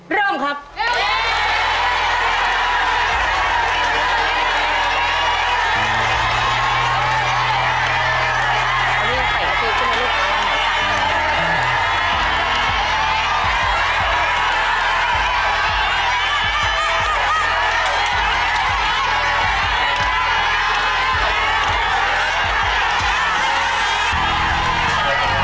เริ่มครับ